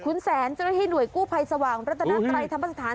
ขุนแสนจริงหน่วยกู้ภัยสว่างรัฐนาคตรายธรรมสถาน